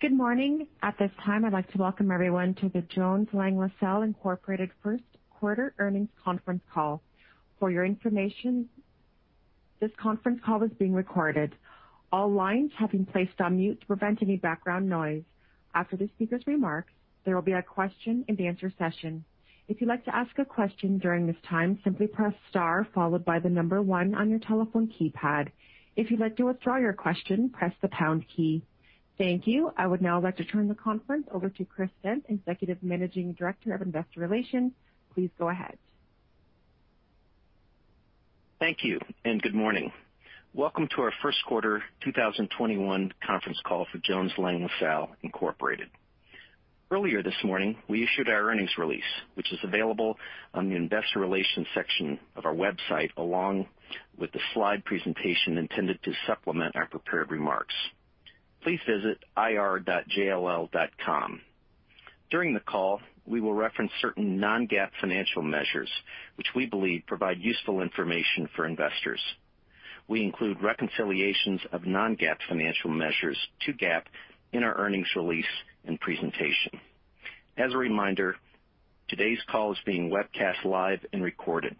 Good morning. At this time, I'd like to welcome everyone to the Jones Lang LaSalle Incorporated first quarter earnings conference call. For your information, this conference call is being recorded. All lines have been placed on mute to prevent any background noise. After the speakers' remarks, there will be a question-and-answer session. If you would like to ask a question during this time simply press star followed by the number one on your telephone keypad. If you would like to withdraw your question press the pound key. Thank you. I would now like to turn the conference over to Chris Stent, Executive Managing Director of Investor Relations. Please go ahead. Thank you, and good morning. Welcome to our first quarter 2021 conference call for Jones Lang LaSalle Incorporated. Earlier this morning, we issued our earnings release, which is available on the Investor Relations section of our website, along with the slide presentation intended to supplement our prepared remarks. Please visit ir.jll.com. During the call, we will reference certain non-GAAP financial measures, which we believe provide useful information for investors. We include reconciliations of non-GAAP financial measures to GAAP in our earnings release and presentation. As a reminder, today's call is being webcast live and recorded.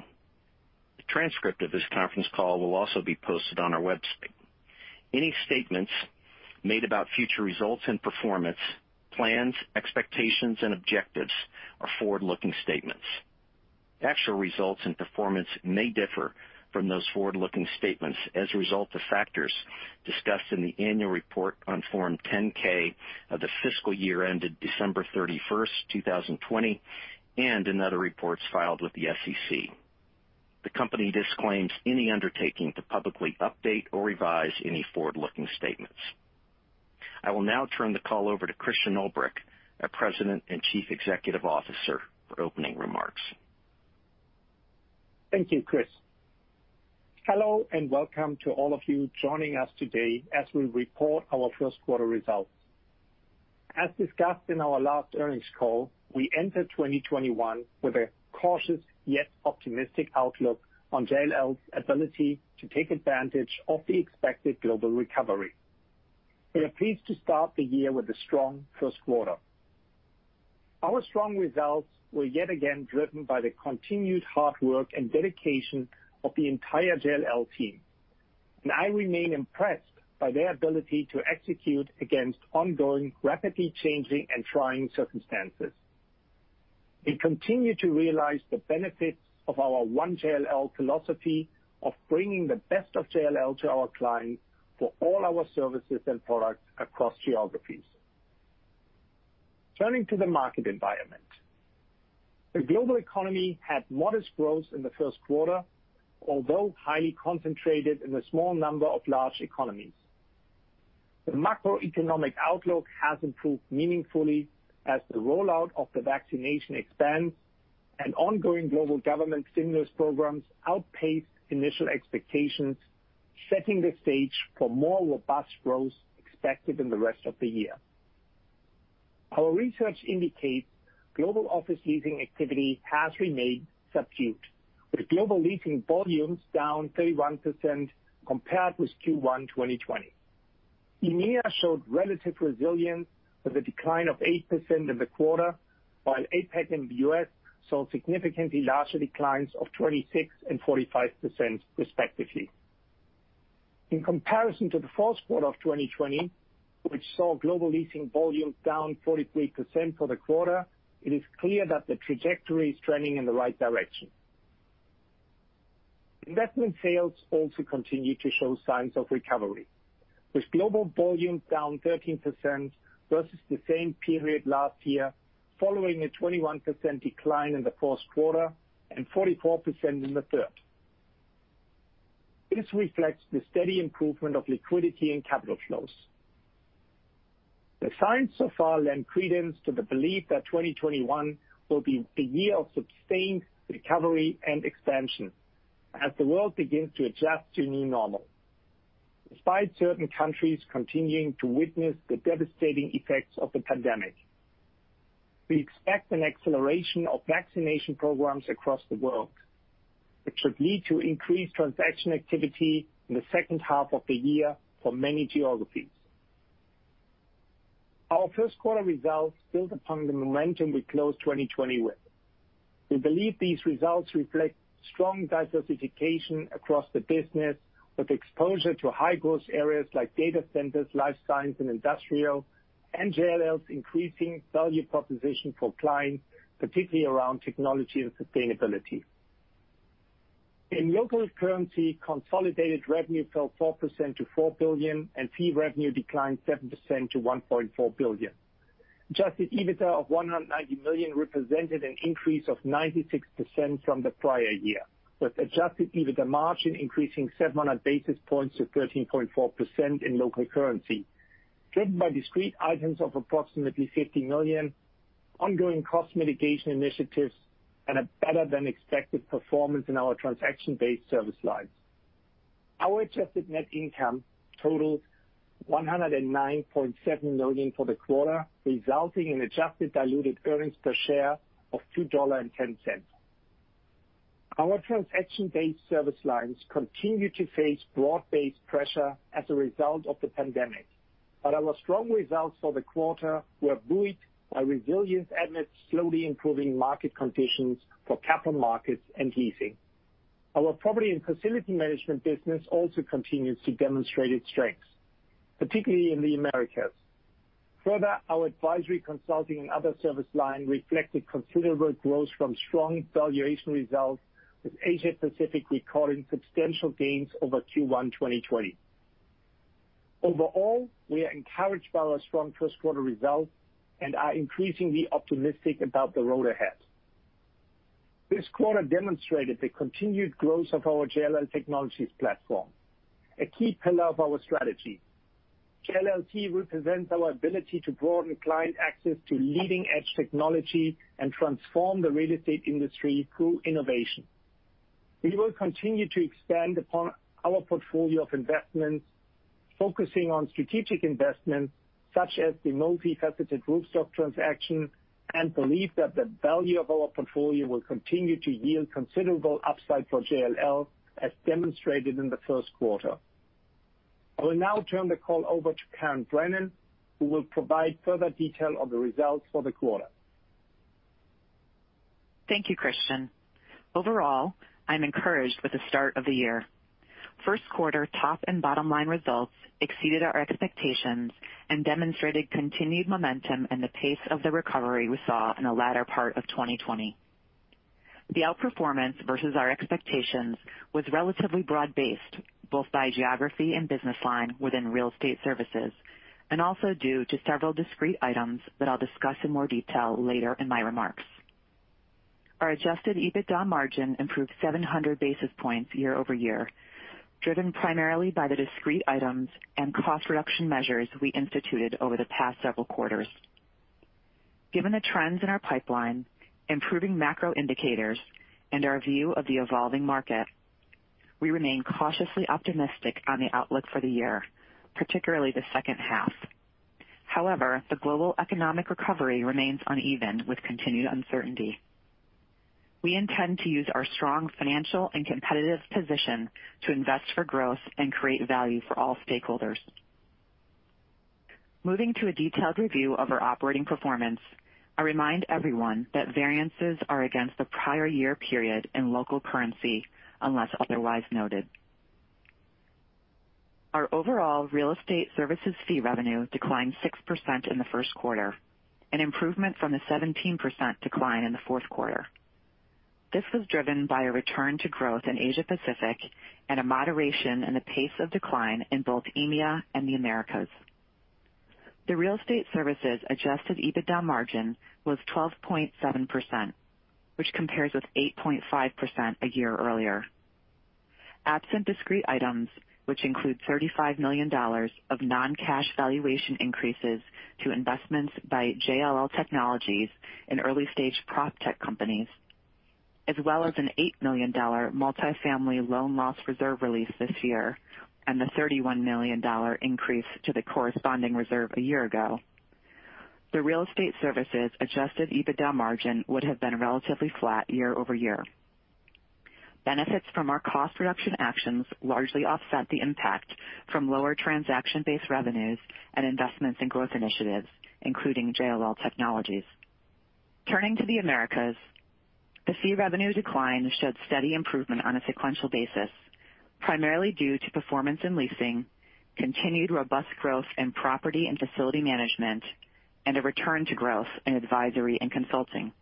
A transcript of this conference call will also be posted on our website. Any statements made about future results and performance, plans, expectations and objectives are forward-looking statements. Actual results and performance may differ from those forward-looking statements as a result of factors discussed in the annual report on Form 10-K of the fiscal year ended December 31st, 2020, and in other reports filed with the SEC. The company disclaims any undertaking to publicly update or revise any forward-looking statements. I will now turn the call over to Christian Ulbrich, our President and Chief Executive Officer, for opening remarks. Thank you, Chris. Hello, and welcome to all of you joining us today as we report our first quarter results. As discussed in our last earnings call, we enter 2021 with a cautious yet optimistic outlook on JLL's ability to take advantage of the expected global recovery. We are pleased to start the year with a strong first quarter. Our strong results were yet again driven by the continued hard work and dedication of the entire JLL team, and I remain impressed by their ability to execute against ongoing, rapidly changing and trying circumstances. We continue to realize the benefits of our One JLL philosophy of bringing the best of JLL to our clients for all our services and products across geographies. Turning to the market environment. The global economy had modest growth in the first quarter, although highly concentrated in a small number of large economies. The macroeconomic outlook has improved meaningfully as the rollout of the vaccination expands and ongoing global government stimulus programs outpaced initial expectations, setting the stage for more robust growth expected in the rest of the year. Our research indicates global office leasing activity has remained subdued, with global leasing volumes down 31% compared with Q1 2020. EMEA showed relative resilience with a decline of 8% in the quarter, while APAC and the U.S. saw significantly larger declines of 26% and 45% respectively. In comparison to the fourth quarter of 2020, which saw global leasing volumes down 43% for the quarter, it is clear that the trajectory is trending in the right direction. Investment sales also continue to show signs of recovery, with global volumes down 13% versus the same period last year, following a 21% decline in the first quarter and 44% in the third. This reflects the steady improvement of liquidity and capital flows. The signs so far lend credence to the belief that 2021 will be the year of sustained recovery and expansion as the world begins to adjust to a new normal, despite certain countries continuing to witness the devastating effects of the pandemic. We expect an acceleration of vaccination programs across the world, which should lead to increased transaction activity in the second half of the year for many geographies. Our first quarter results build upon the momentum we closed 2020 with. We believe these results reflect strong diversification across the business, with exposure to high-growth areas like data centers, life science and industrial, and JLL's increasing value proposition for clients, particularly around technology and sustainability. In local currency, consolidated revenue fell 4% to $4 billion, and fee revenue declined 7% to $1.4 billion. Adjusted EBITDA of $190 million represented an increase of 96% from the prior year, with adjusted EBITDA margin increasing 700 basis points to 13.4% in local currency, driven by discrete items of approximately $50 million, ongoing cost mitigation initiatives, and a better than expected performance in our transaction-based service lines. Our adjusted net income totaled $109.7 million for the quarter, resulting in adjusted diluted earnings per share of $2.10. Our transaction-based service lines continue to face broad-based pressure as a result of the pandemic. Our strong results for the quarter were buoyed by resilience amidst slowly improving market conditions for capital markets and leasing. Our property and facility management business also continues to demonstrate its strengths, particularly in the Americas. Further, our advisory consulting and other service line reflected considerable growth from strong valuation results, with Asia Pacific recording substantial gains over Q1 2020. Overall, we are encouraged by our strong first quarter results and are increasingly optimistic about the road ahead. This quarter demonstrated the continued growth of our JLL Technologies platform, a key pillar of our strategy. JLLT represents our ability to broaden client access to leading-edge technology and transform the real estate industry through innovation. We will continue to expand upon our portfolio of investments, focusing on strategic investments such as the multifaceted Roofstock transaction, and believe that the value of our portfolio will continue to yield considerable upside for JLL, as demonstrated in the first quarter. I will now turn the call over to Karen Brennan, who will provide further detail on the results for the quarter. Thank you, Christian. Overall, I'm encouraged with the start of the year. First quarter top and bottom line results exceeded our expectations and demonstrated continued momentum in the pace of the recovery we saw in the latter part of 2020. The outperformance versus our expectations was relatively broad-based, both by geography and business line within real estate services, also due to several discrete items that I'll discuss in more detail later in my remarks. Our adjusted EBITDA margin improved 700 basis points year-over-year, driven primarily by the discrete items and cost reduction measures we instituted over the past several quarters. Given the trends in our pipeline, improving macro indicators, and our view of the evolving market, we remain cautiously optimistic on the outlook for the year, particularly the second half. However, the global economic recovery remains uneven with continued uncertainty. We intend to use our strong financial and competitive position to invest for growth and create value for all stakeholders. Moving to a detailed review of our operating performance, I remind everyone that variances are against the prior year period in local currency, unless otherwise noted. Our overall real estate services fee revenue declined 6% in the first quarter, an improvement from the 17% decline in the fourth quarter. This was driven by a return to growth in Asia Pacific and a moderation in the pace of decline in both EMEA and the Americas. The real estate services adjusted EBITDA margin was 12.7%, which compares with 8.5% a year earlier. Absent discrete items, which include $35 million of non-cash valuation increases to investments by JLL Technologies in early-stage proptech companies, as well as an $8 million multifamily loan loss reserve release this year, and the $31 million increase to the corresponding reserve a year ago, the real estate services adjusted EBITDA margin would have been relatively flat year-over-year. Benefits from our cost reduction actions largely offset the impact from lower transaction-based revenues and investments in growth initiatives, including JLL Technologies. Turning to the Americas, the fee revenue decline showed steady improvement on a sequential basis, primarily due to performance in leasing, continued robust growth in property and facility management, and a return to growth in advisory and consulting.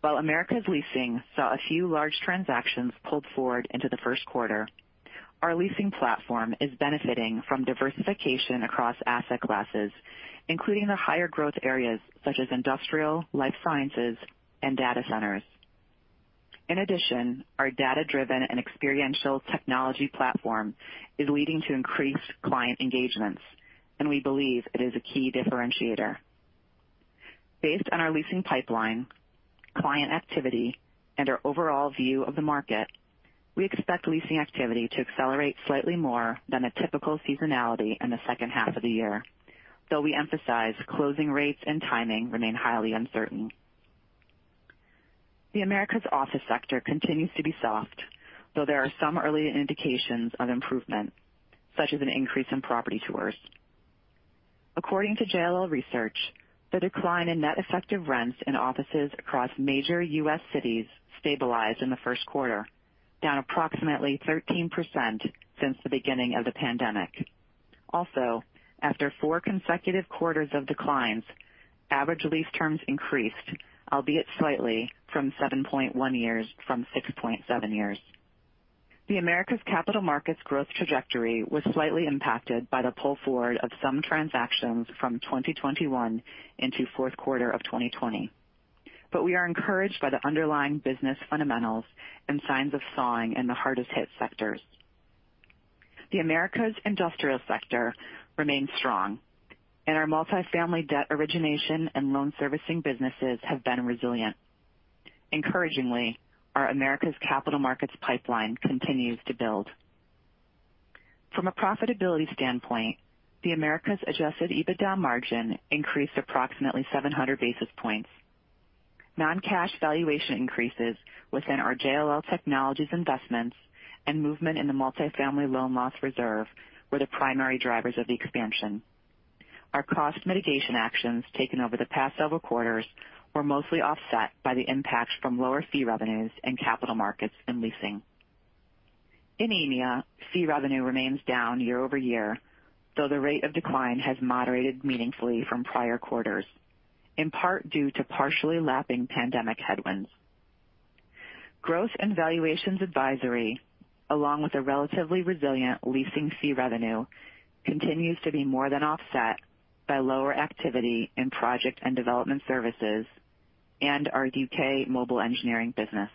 While Americas leasing saw a few large transactions pulled forward into the first quarter, our leasing platform is benefiting from diversification across asset classes, including the higher growth areas such as industrial, life sciences, and data centers. In addition, our data-driven and experiential technology platform is leading to increased client engagements, and we believe it is a key differentiator. Based on our leasing pipeline, client activity, and our overall view of the market, we expect leasing activity to accelerate slightly more than a typical seasonality in the second half of the year. Though we emphasize closing rates and timing remain highly uncertain. The Americas office sector continues to be soft, though there are some early indications of improvement, such as an increase in property tours. According to JLL Research, the decline in net effective rents in offices across major U.S. cities stabilized in the first quarter, down approximately 13% since the beginning of the pandemic. Also, after four consecutive quarters of declines, average lease terms increased, albeit slightly, from 6.7 years-7.1 years. The Americas' capital markets growth trajectory was slightly impacted by the pull forward of some transactions from 2021 into fourth quarter of 2020. We are encouraged by the underlying business fundamentals and signs of thawing in the hardest hit sectors. The Americas industrial sector remains strong, and our multifamily debt origination and loan servicing businesses have been resilient. Encouragingly, our Americas capital markets pipeline continues to build. From a profitability standpoint, the Americas' adjusted EBITDA margin increased approximately 700 basis points. Non-cash valuation increases within our JLL Technologies investments and movement in the multifamily loan loss reserve were the primary drivers of the expansion. Our cost mitigation actions taken over the past several quarters were mostly offset by the impact from lower fee revenues and capital markets and leasing. In EMEA, fee revenue remains down year-over-year, though the rate of decline has moderated meaningfully from prior quarters, in part due to partially lapping pandemic headwinds. Growth and valuations advisory, along with a relatively resilient leasing fee revenue, continues to be more than offset by lower activity in project and development services and our U.K. mobile engineering business.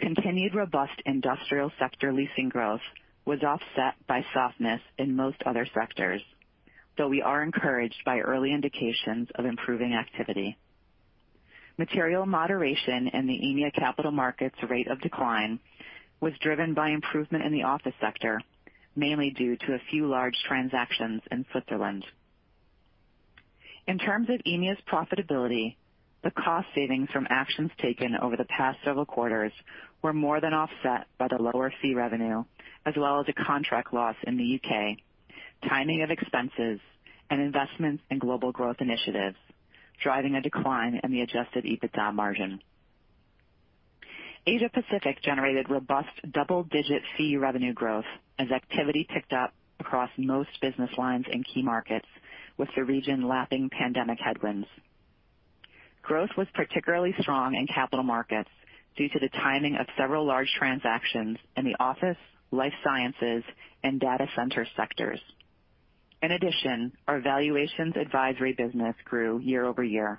Continued robust industrial sector leasing growth was offset by softness in most other sectors, though we are encouraged by early indications of improving activity. Material moderation in the EMEA capital markets rate of decline was driven by improvement in the office sector, mainly due to a few large transactions in Switzerland. In terms of EMEA's profitability, the cost savings from actions taken over the past several quarters were more than offset by the lower fee revenue, as well as a contract loss in the U.K., timing of expenses, and investments in global growth initiatives, driving a decline in the adjusted EBITDA margin. Asia Pacific generated robust double-digit fee revenue growth as activity picked up across most business lines in key markets, with the region lapping pandemic headwinds. Growth was particularly strong in capital markets due to the timing of several large transactions in the office, life sciences, and data center sectors. In addition, our valuations advisory business grew year-over-year.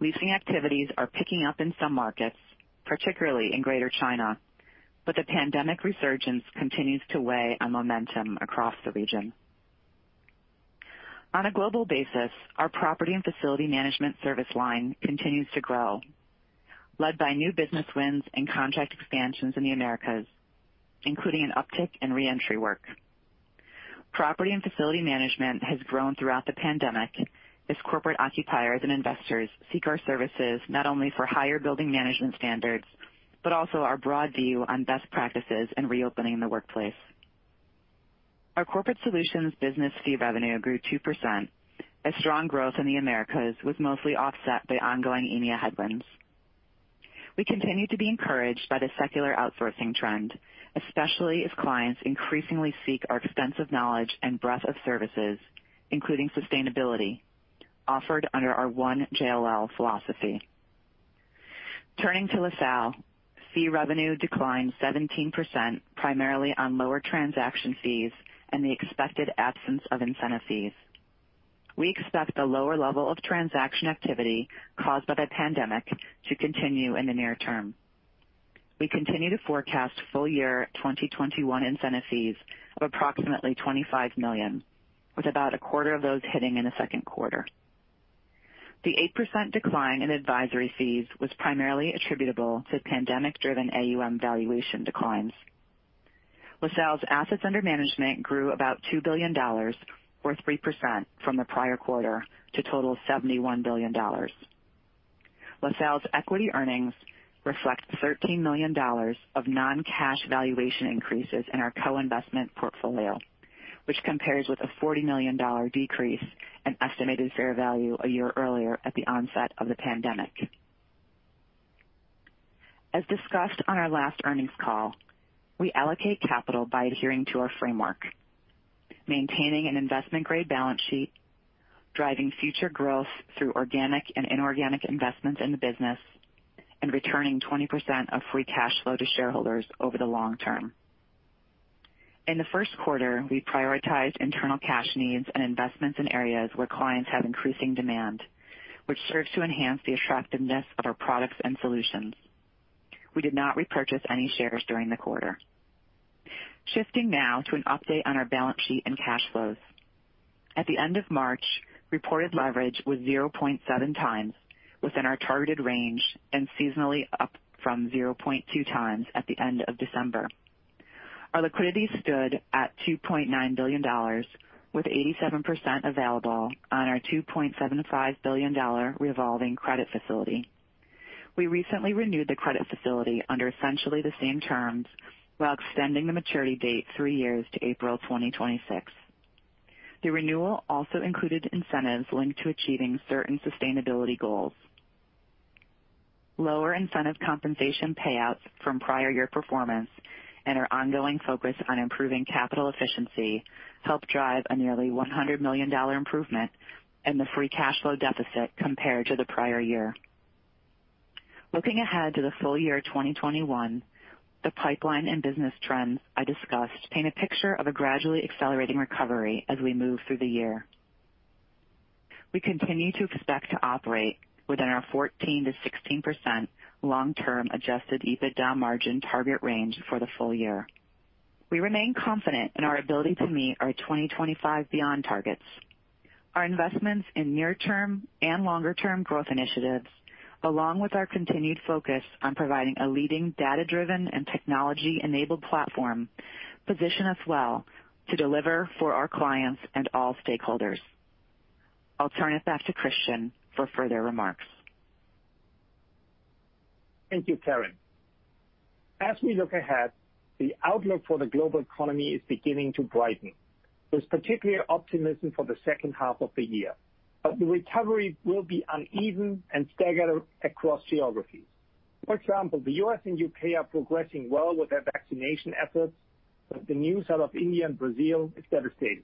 Leasing activities are picking up in some markets, particularly in Greater China, but the pandemic resurgence continues to weigh on momentum across the region. On a global basis, our property and facility management service line continues to grow, led by new business wins and contract expansions in the Americas, including an uptick in re-entry work. Property and facility management has grown throughout the pandemic as corporate occupiers and investors seek our services not only for higher building management standards, but also our broad view on best practices in reopening the workplace. Our Corporate Solutions business fee revenue grew 2%, as strong growth in the Americas was mostly offset by ongoing EMEA headwinds. We continue to be encouraged by the secular outsourcing trend, especially as clients increasingly seek our extensive knowledge and breadth of services, including sustainability, offered under our One JLL philosophy. Turning to LaSalle, fee revenue declined 17%, primarily on lower transaction fees and the expected absence of incentive fees. We expect the lower level of transaction activity caused by the pandemic to continue in the near term. We continue to forecast full year 2021 incentive fees of approximately $25 million, with about a quarter of those hitting in the second quarter. The 8% decline in advisory fees was primarily attributable to pandemic driven AUM valuation declines. LaSalle's assets under management grew about $2 billion, or 3% from the prior quarter to total $71 billion. LaSalle's equity earnings reflect $13 million of non-cash valuation increases in our co-investment portfolio, which compares with a $40 million decrease in estimated fair value a year earlier at the onset of the pandemic. As discussed on our last earnings call, we allocate capital by adhering to our framework, maintaining an investment grade balance sheet, driving future growth through organic and inorganic investments in the business, and returning 20% of free cash flow to shareholders over the long term. In the first quarter, we prioritized internal cash needs and investments in areas where clients have increasing demand, which serves to enhance the attractiveness of our products and solutions. We did not repurchase any shares during the quarter. Shifting now to an update on our balance sheet and cash flows. At the end of March, reported leverage was 0.7x within our targeted range and seasonally up from 0.2x at the end of December. Our liquidity stood at $2.9 billion, with 87% available on our $2.75 billion revolving credit facility. We recently renewed the credit facility under essentially the same terms while extending the maturity date three years to April 2026. The renewal also included incentives linked to achieving certain sustainability goals. Lower incentive compensation payouts from prior year performance and our ongoing focus on improving capital efficiency helped drive a nearly $100 million improvement in the free cash flow deficit compared to the prior year. Looking ahead to the full year 2021, the pipeline and business trends I discussed paint a picture of a gradually accelerating recovery as we move through the year. We continue to expect to operate within our 14%-16% long term adjusted EBITDA margin target range for the full year. We remain confident in our ability to meet our 2025 Beyond targets. Our investments in near-term and longer-term growth initiatives, along with our continued focus on providing a leading data-driven and technology-enabled platform, position us well to deliver for our clients and all stakeholders. I'll turn it back to Christian for further remarks. Thank you, Karen. As we look ahead, the outlook for the global economy is beginning to brighten. There's particularly optimism for the second half of the year, but the recovery will be uneven and staggered across geographies. For example, the U.S. and U.K. are progressing well with their vaccination efforts, but the news out of India and Brazil is devastating.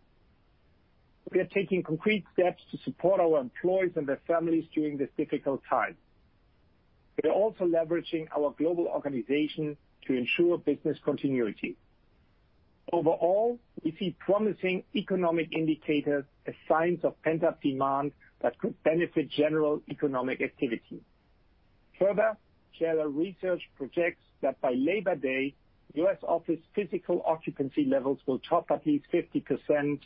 We are taking concrete steps to support our employees and their families during this difficult time. We are also leveraging our global organization to ensure business continuity. Overall, we see promising economic indicators as signs of pent-up demand that could benefit general economic activity. JLL Research projects that by Labor Day, U.S. office physical occupancy levels will top at least 50%,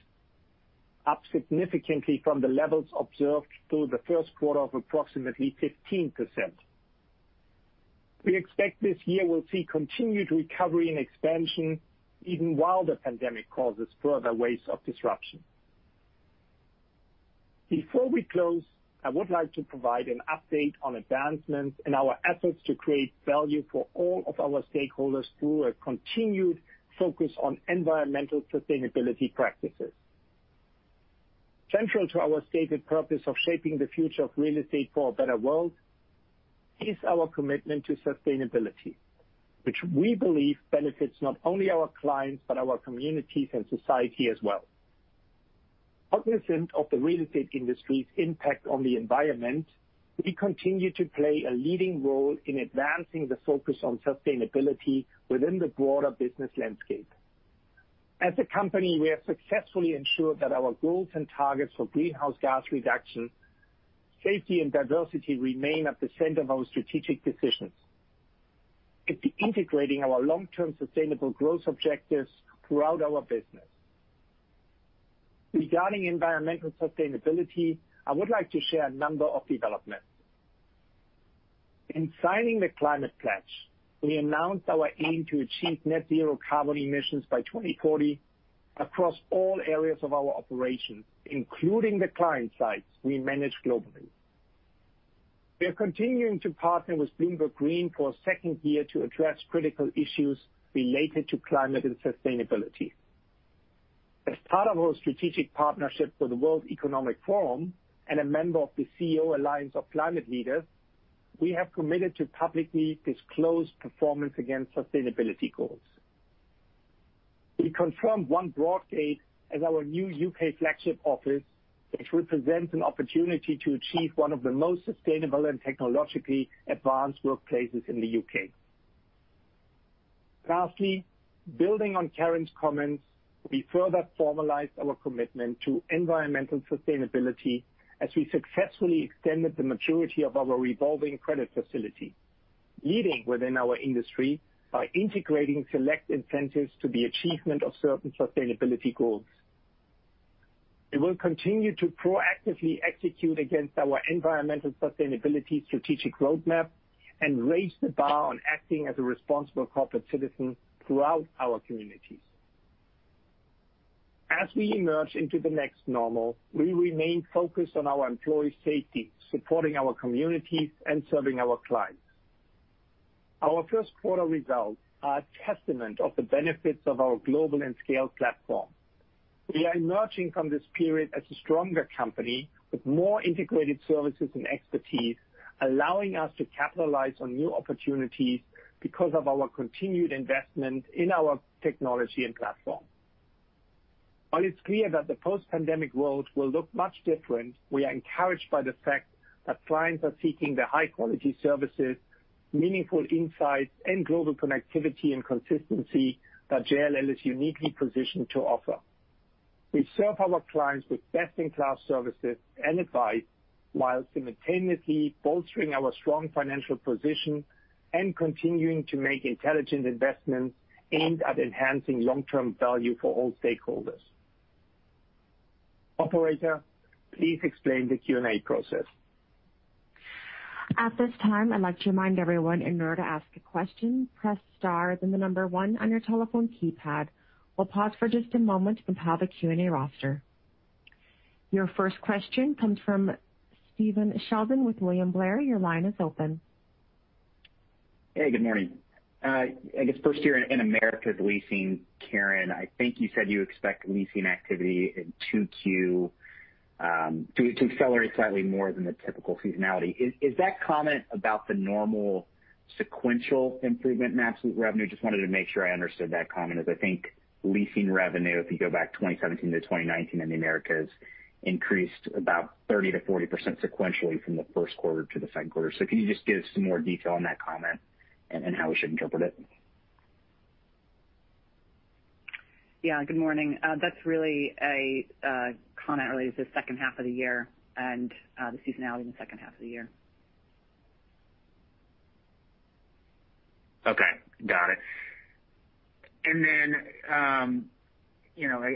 up significantly from the levels observed through the first quarter of approximately 15%. We expect this year we'll see continued recovery and expansion even while the pandemic causes further waves of disruption. Before we close, I would like to provide an update on advancements in our efforts to create value for all of our stakeholders through a continued focus on environmental sustainability practices. Central to our stated purpose of shaping the future of real estate for a better world is our commitment to sustainability, which we believe benefits not only our clients but our communities and society as well. Cognizant of the real estate industry's impact on the environment, we continue to play a leading role in advancing the focus on sustainability within the broader business landscape. As a company, we have successfully ensured that our goals and targets for greenhouse gas reduction, safety, and diversity remain at the center of our strategic decisions, integrating our long-term sustainable growth objectives throughout our business. Regarding environmental sustainability, I would like to share a number of developments. In signing The Climate Pledge, we announced our aim to achieve net zero carbon emissions by 2040 across all areas of our operations, including the client sites we manage globally. We are continuing to partner with Bloomberg Green for a second year to address critical issues related to climate and sustainability. As part of our strategic partnership with the World Economic Forum and a member of the Alliance of CEO Climate Leaders, we have committed to publicly disclose performance against sustainability goals. We confirmed One Broadgate as our new U.K. flagship office, which represents an opportunity to achieve one of the most sustainable and technologically advanced workplaces in the U.K. Lastly, building on Karen's comments, we further formalized our commitment to environmental sustainability as we successfully extended the maturity of our revolving credit facility, leading within our industry by integrating select incentives to the achievement of certain sustainability goals. We will continue to proactively execute against our environmental sustainability strategic roadmap and raise the bar on acting as a responsible corporate citizen throughout our communities. As we emerge into the next normal, we remain focused on our employees' safety, supporting our communities, and serving our clients. Our first quarter results are a testament of the benefits of our global and scaled platform. We are emerging from this period as a stronger company with more integrated services and expertise, allowing us to capitalize on new opportunities because of our continued investment in our technology and platform. While it's clear that the post-pandemic world will look much different, we are encouraged by the fact that clients are seeking the high-quality services, meaningful insights, and global connectivity and consistency that JLL is uniquely positioned to offer. We serve our clients with best-in-class services and advice while simultaneously bolstering our strong financial position and continuing to make intelligent investments aimed at enhancing long-term value for all stakeholders. Operator, please explain the Q&A process. At this time I would like to remind everyone in order to ask a question press star and then number one on your telephone keypad. We will pause for just a moment to compile the Q&A roster. Your first question comes from Stephen Sheldon with William Blair. Your line is open. Hey, good morning. I guess first here in Americas leasing, Karen, I think you said you expect leasing activity in 2Q to accelerate slightly more than the typical seasonality. Is that comment about the normal sequential improvement in absolute revenue? Just wanted to make sure I understood that comment, as I think leasing revenue, if you go back 2017-2019 in the Americas, increased about 30%-40% sequentially from the first quarter to the second quarter. Can you just give some more detail on that comment and how we should interpret it? Yeah. Good morning. That's really a comment related to the second half of the year and the seasonality in the second half of the year. Okay. Got it.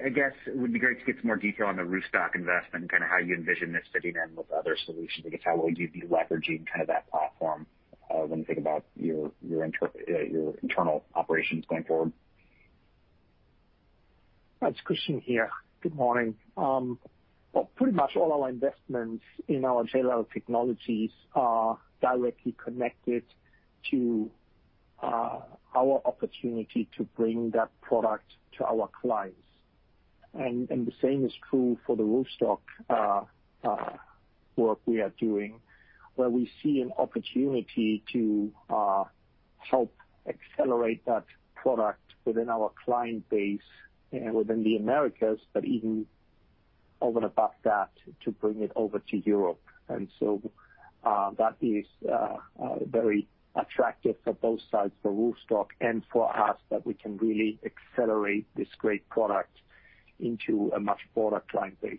I guess it would be great to get some more detail on the Roofstock investment and how you envision this fitting in with other solutions. I guess how will you be leveraging that platform, when you think about your internal operations going forward? Christian here. Good morning. Well, pretty much all our investments in our JLL Technologies are directly connected to our opportunity to bring that product to our clients. The same is true for the Roofstock work we are doing, where we see an opportunity to help accelerate that product within our client base and within the Americas, but even over and above that, to bring it over to Europe. That is very attractive for both sides, for Roofstock and for us, that we can really accelerate this great product into a much broader client base.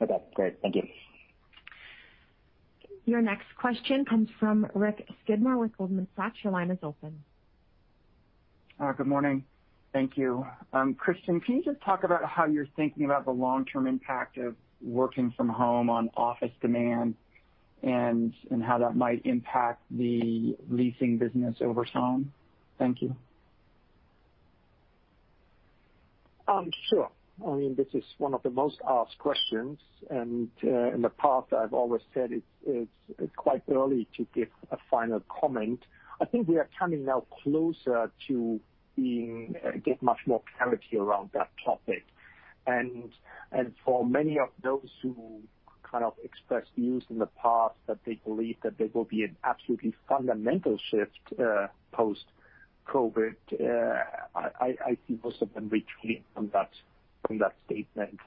Okay, great. Thank you. Your next question comes from Richard Skidmore with Goldman Sachs. Your line is open. Good morning. Thank you. Christian, can you just talk about how you're thinking about the long-term impact of working from home on office demand, and how that might impact the leasing business over time? Thank you. Sure. This is one of the most asked questions, and in the past, I've always said it's quite early to give a final comment. I think we are coming now closer to getting much more clarity around that topic. For many of those who expressed views in the past that they believe that there will be an absolutely fundamental shift post-COVID, I see most of them retreating from that statement.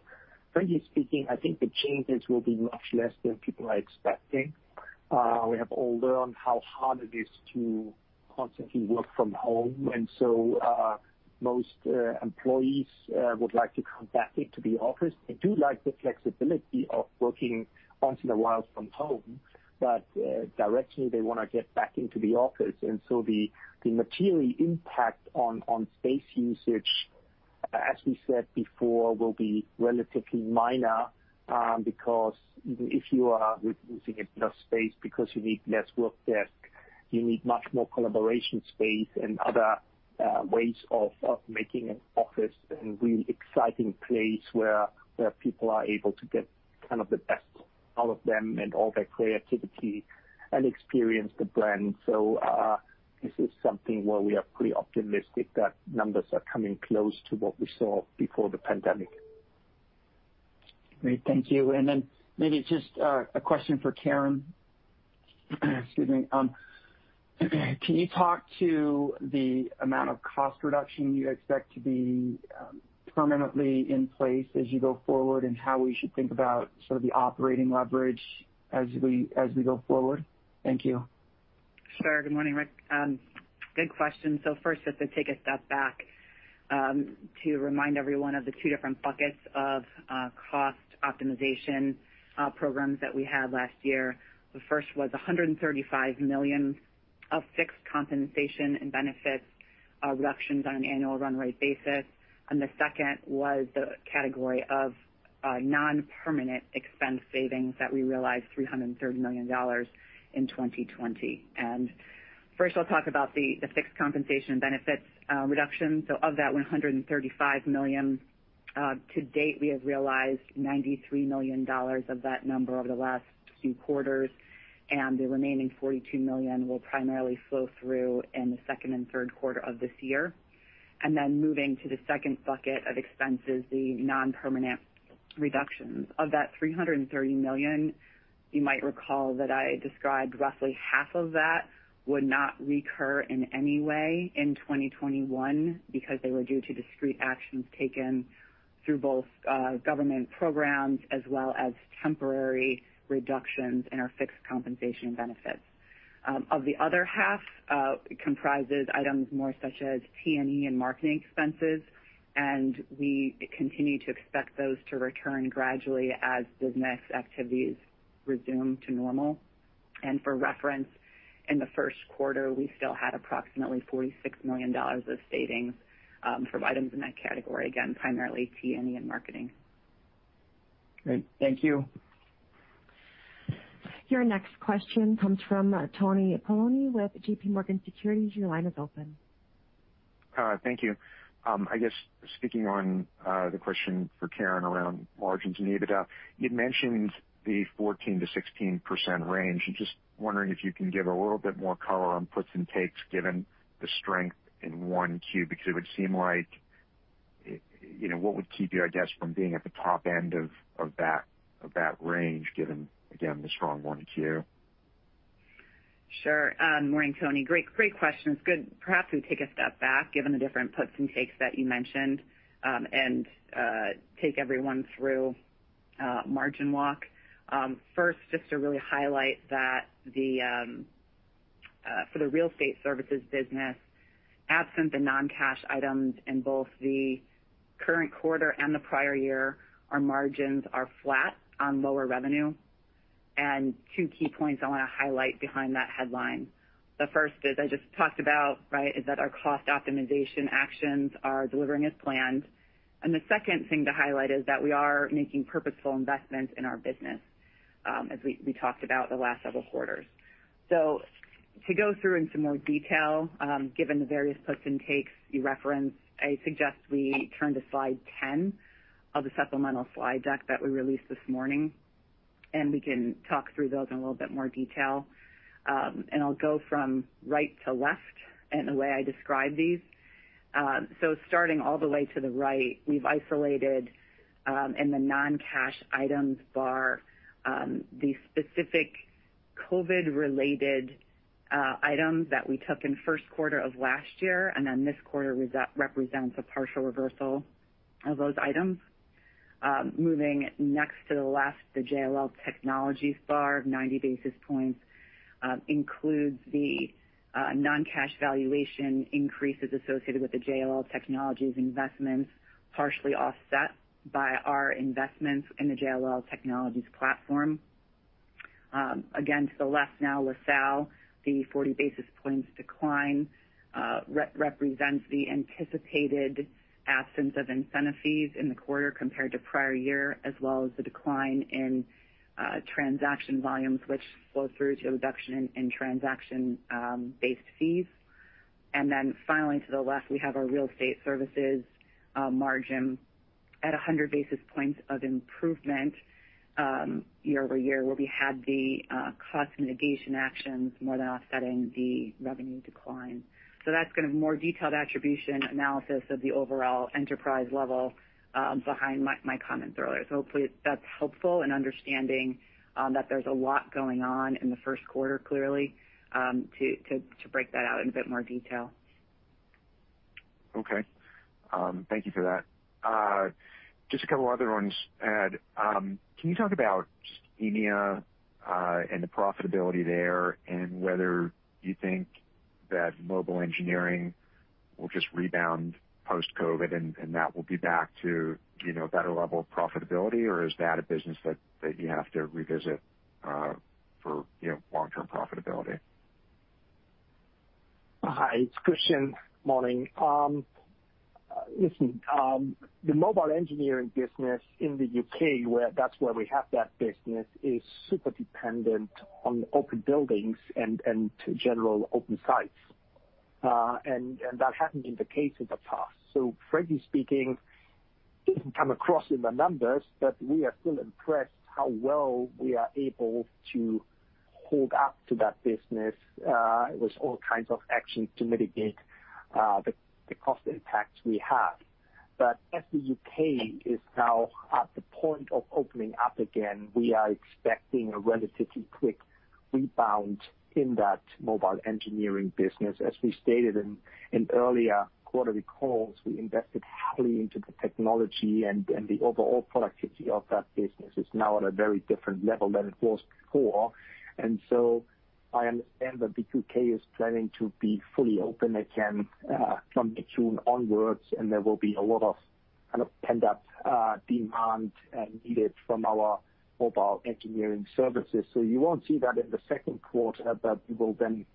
Frankly speaking, I think the changes will be much less than people are expecting. We have all learned how hard it is to constantly work from home. Most employees would like to come back into the office. They do like the flexibility of working once in a while from home. Directionally, they want to get back into the office. The material impact on space usage, as we said before, will be relatively minor, because even if you are using a bit of space because you need less work desk, you need much more collaboration space and other ways of making an office a really exciting place where people are able to get the best out of them and all their creativity and experience the brand. This is something where we are pretty optimistic that numbers are coming close to what we saw before the pandemic. Great. Thank you. Maybe just a question for Karen. Excuse me. Can you talk to the amount of cost reduction you expect to be permanently in place as you go forward, and how we should think about sort of the operating leverage as we go forward? Thank you. Sure. Good morning, Rick. Good question. First, just to take a step back, to remind everyone of the two different buckets of cost optimization programs that we had last year. The first was $135 million of fixed compensation and benefits reductions on an annual run rate basis. The second was the category of non-permanent expense savings that we realized $330 million in 2020. First, I'll talk about the fixed compensation and benefits reduction. Of that $135 million, to date, we have realized $93 million of that number over the last few quarters, and the remaining $42 million will primarily flow through in the second and third quarter of this year. Moving to the second bucket of expenses, the non-permanent reductions. Of that $330 million, you might recall that I described roughly half of that would not recur in any way in 2021 because they were due to discrete actions taken through both government programs as well as temporary reductions in our fixed compensation and benefits. Of the other half, comprises items more such as T&E and marketing expenses, and we continue to expect those to return gradually as business activities resume to normal. For reference, in the first quarter, we still had approximately $46 million of savings from items in that category, again, primarily T&E and marketing. Great. Thank you. Your next question comes from Anthony Paolone with JPMorgan Securities LLC. Your line is open. Thank you. I guess speaking on the question for Karen around margins and EBITDA. You'd mentioned the 14%-16% range. I'm just wondering if you can give a little bit more color on puts and takes given the strength in 1Q, what would keep you, I guess, from being at the top end of that range given, again, the strong 1Q? Sure. Morning, Tony. Great questions. Good. Perhaps we take a step back given the different puts and takes that you mentioned, and take everyone through margin walk. First, just to really highlight for the real estate services business, absent the non-cash items in both the current quarter and the prior year, our margins are flat on lower revenue. Two key points I want to highlight behind that headline. The first is I just talked about, is that our cost optimization actions are delivering as planned. The second thing to highlight is that we are making purposeful investments in our business, as we talked about the last several quarters. To go through in some more detail, given the various puts and takes you referenced, I suggest we turn to slide 10 of the supplemental slide deck that we released this morning, and we can talk through those in a little bit more detail. I'll go from right to left in the way I describe these. Starting all the way to the right, we've isolated in the non-cash items bar, the specific COVID related items that we took in first quarter of last year, and then this quarter represents a partial reversal of those items. Moving next to the left, the JLL Technologies bar of 90 basis points includes the non-cash valuation increases associated with the JLL Technologies investments, partially offset by our investments in the JLL Technologies platform. To the left now, LaSalle, the 40 basis points decline represents the anticipated absence of incentive fees in the quarter compared to prior year, as well as the decline in transaction volumes, which flow through to a reduction in transaction-based fees. Finally, to the left, we have our real estate services margin at 100 basis points of improvement year-over-year, where we had the cost mitigation actions more than offsetting the revenue decline. That's kind of more detailed attribution analysis of the overall enterprise level behind my comments earlier. Hopefully that's helpful in understanding that there's a lot going on in the first quarter, clearly, to break that out in a bit more detail. Okay. Thank you for that. Just a couple other ones. Can you talk about Scandinavia and the profitability there, and whether you think that mobile engineering will just rebound post-COVID, and that will be back to better level of profitability or is that a business that you have to revisit for long-term profitability? Hi, it's Christian. Morning. The mobile engineering business in the U.K., that's where we have that business, is super dependent on open buildings and general open sites. That hadn't been the case in the past. Frankly speaking, it didn't come across in the numbers, but we are still impressed how well we are able to hold up to that business with all kinds of actions to mitigate the cost impacts we have. As the U.K. is now at the point of opening up again, we are expecting a relatively quick rebound in that mobile engineering business. We stated in earlier quarterly calls, we invested heavily into the technology, and the overall productivity of that business is now at a very different level than it was before. I understand that the U.K. is planning to be fully open again from June onwards, and there will be a lot of pent-up demand needed from our mobile engineering services. You won't see that in the second quarter, but you will then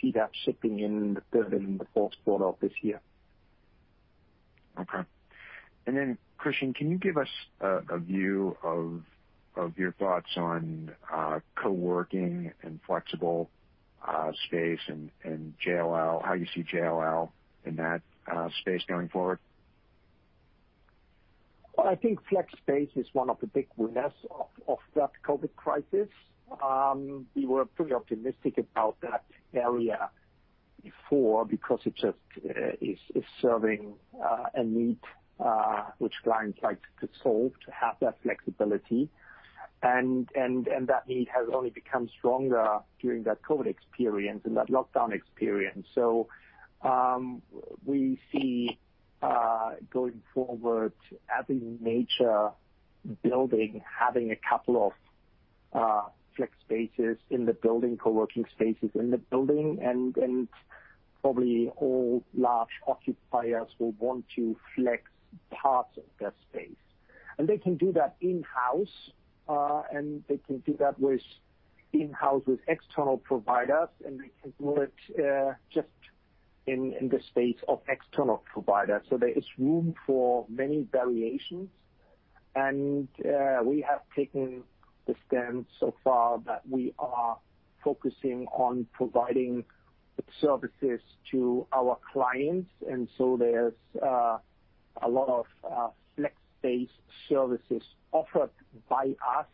see that shifting in the third and the fourth quarter of this year. Okay. Christian, can you give us a view of your thoughts on co-working and flexible space and how you see JLL in that space going forward? Well, I think flex space is one of the big winners of that COVID crisis. We were pretty optimistic about that area before because it just is serving a need which clients like to solve to have that flexibility. That need has only become stronger during that COVID experience and that lockdown experience. We see going forward every major building having a couple of flex spaces in the building, co-working spaces in the building, and probably all large occupiers will want to flex parts of their space. They can do that in-house, and they can do that in-house with external providers, and they can do it just in the space of external providers. There is room for many variations. We have taken the stance so far that we are focusing on providing services to our clients. There's a lot of flex space services offered by us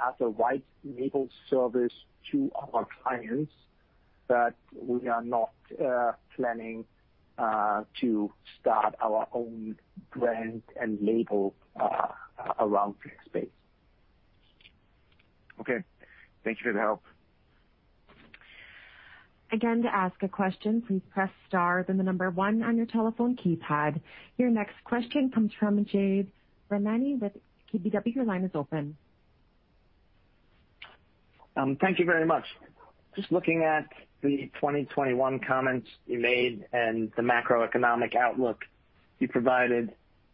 as a white label service to our clients. We are not planning to start our own brand and label around flex space. Okay. Thank you for the help. Again, to ask a question, please press star, then number one on your telephone keypad. Your next question comes from Jade Rahmani with KBW. Your line is open. Thank you very much. Just looking at the 2021 comments you made and the macroeconomic outlook you provided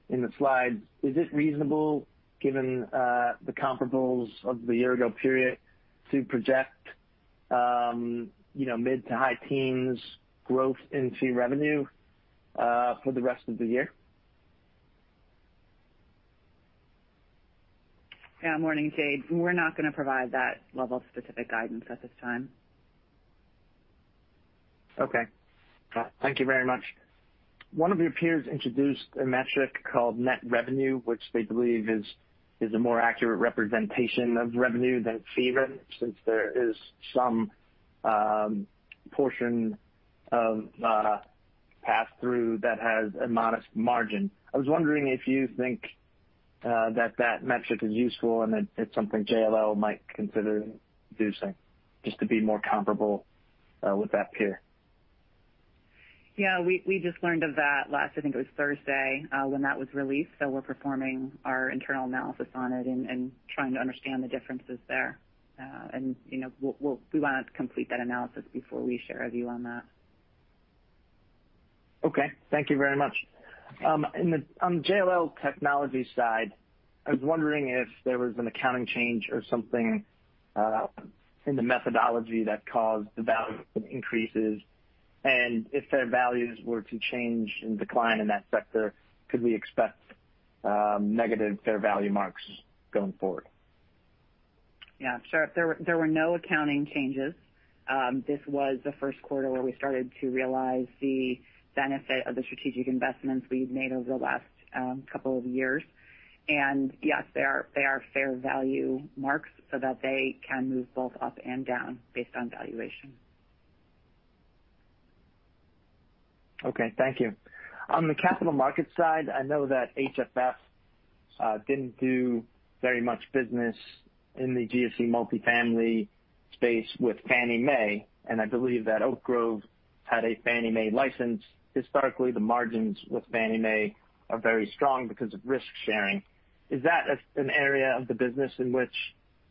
in the slides. Is it reasonable, given the comparables of the year ago period, to project mid to high teens growth in fee revenue for the rest of the year? Morning, Jade. We're not going to provide that level of specific guidance at this time. Okay. Thank you very much. One of your peers introduced a metric called net revenue, which they believe is a more accurate representation of revenue than fee revenue, since there is some portion of pass-through that has a modest margin. I was wondering if you think that metric is useful and it is something JLL might consider introducing just to be more comparable with that peer. Yeah, we just learned of that last, I think it was Thursday, when that was released. We're performing our internal analysis on it and trying to understand the differences there. We want to complete that analysis before we share a view on that. Okay. Thank you very much. On the JLL Technologies side, I was wondering if there was an accounting change or something in the methodology that caused the value increases. If fair values were to change and decline in that sector, could we expect negative fair value marks going forward? Yeah, sure. There were no accounting changes. This was the first quarter where we started to realize the benefit of the strategic investments we've made over the last couple of years. Yes, they are fair value marks so that they can move both up and down based on valuation. Okay, thank you. On the capital markets side, I know that HFF didn't do very much business in the GSE multifamily space with Fannie Mae, and I believe that Oak Grove had a Fannie Mae license. Historically, the margins with Fannie Mae are very strong because of risk sharing. Is that an area of the business in which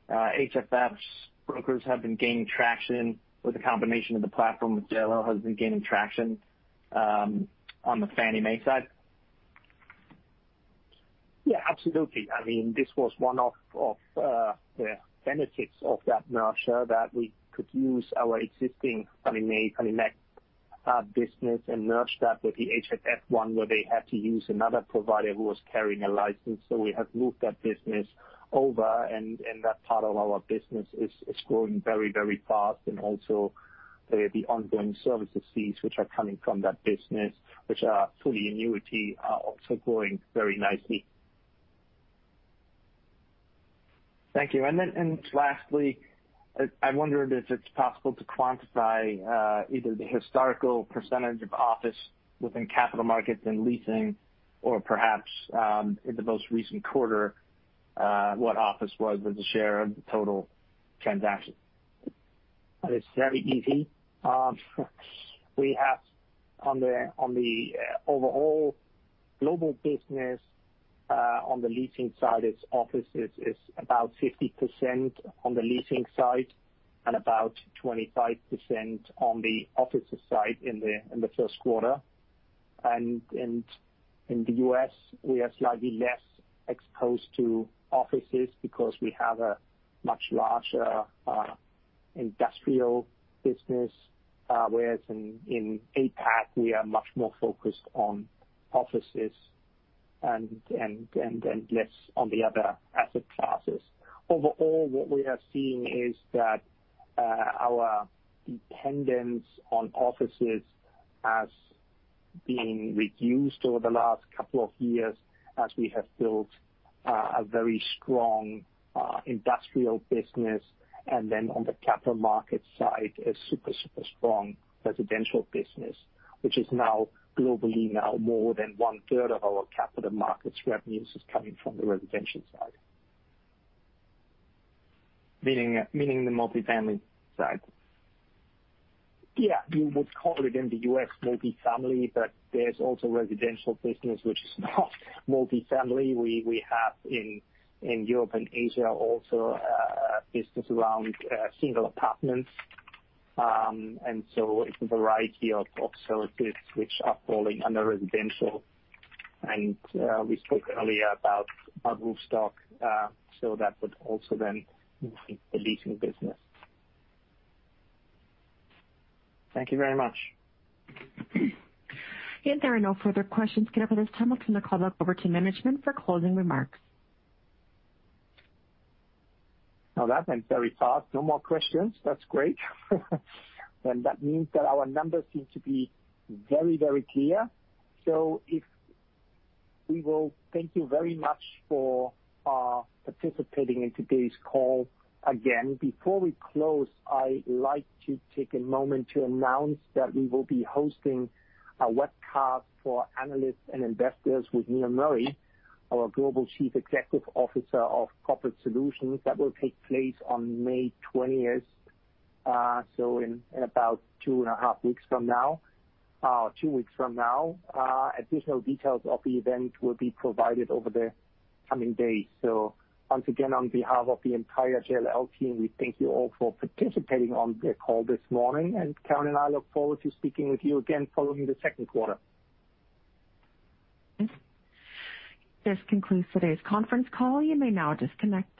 HFF's brokers have been gaining traction with the combination of the platform with JLL, has been gaining traction on the Fannie Mae side? Yeah, absolutely. This was one of the benefits of that merger, that we could use our existing Fannie Mae, Freddie Mac business and merge that with the HFF one where they had to use another provider who was carrying a license. We have moved that business over, and that part of our business is growing very fast. Also the ongoing services fees which are coming from that business, which are fully annuity, are also growing very nicely. Thank you. Then lastly, I wondered if it's possible to quantify either the historical % of office within capital markets and leasing or perhaps, in the most recent quarter, what office was with the share of the total transactions? That is very easy. On the overall global business, on the leasing side, its office is about 50% on the leasing side and about 25% on the office side in the first quarter. In the U.S., we are slightly less exposed to offices because we have a much larger industrial business. Whereas in APAC, we are much more focused on offices and less on the other asset classes. Overall, what we are seeing is that our dependence on offices has been reduced over the last couple of years as we have built a very strong industrial business. On the capital markets side, a super strong residential business, which is now globally more than 1/3 of our capital markets revenues is coming from the residential side. Meaning the multifamily side? Yeah. You would call it in the U.S. multifamily, but there's also residential business which is not multifamily. We have in Europe and Asia also a business around single apartments. It's a variety of services which are falling under residential. We spoke earlier about Roofstock, so that would also then move in the leasing business. Thank you very much. If there are no further questions, I'll turn the call back over to management for closing remarks. That went very fast. No more questions. That's great. That means that our numbers seem to be very clear. We will thank you very much for participating in today's call. Again, before we close, I like to take a moment to announce that we will be hosting a webcast for analysts and investors with Neil Murray, our Global Chief Executive Officer of Corporate Solutions. That will take place on May 20th, so in about two and a half weeks from now, two weeks from now. Additional details of the event will be provided over the coming days. Once again, on behalf of the entire JLL team, we thank you all for participating on the call this morning, and Karen and I look forward to speaking with you again following the second quarter. This concludes today's conference call. You may now disconnect.